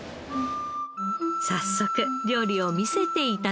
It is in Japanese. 早速料理を見せて頂きます。